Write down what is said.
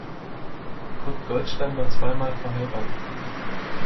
Kurt Goldstein war zweimal verheiratet.